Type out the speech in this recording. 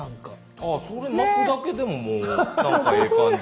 ああそれ巻くだけでももうなんかええ感じ。